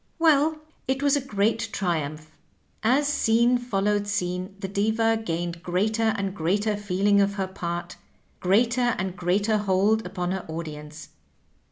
"Well, it was a great triumph. As scene followed scene the Diva gained greater and greater feeling of her part, greater and greater hold upon her audience.